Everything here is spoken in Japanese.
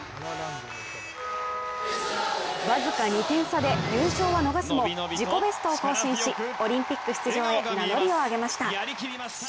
僅か２点差で優勝は逃すも自己ベストを更新しオリンピック出場へ名乗りを上げました。